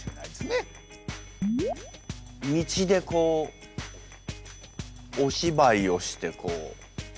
道でこうお芝居をしてこう。